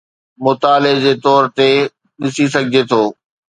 مطالعي جي طور تي ڏسي سگھجي ٿو.